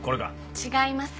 違います。